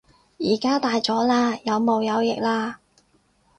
而家大咗喇，有毛有翼喇